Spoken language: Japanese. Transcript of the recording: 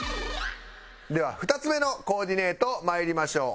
では２つ目のコーディネートまいりましょう。